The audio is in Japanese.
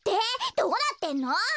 どうなってんの？